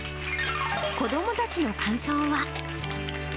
子どもたちの感想は。